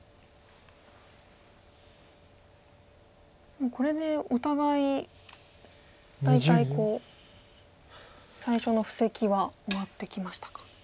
もうこれでお互い大体最初の布石は終わってきましたか。